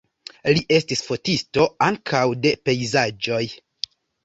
Li estis fotisto ankaŭ de pejzaĝoj.